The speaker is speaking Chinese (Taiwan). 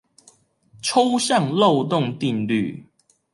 抽象漏洞定律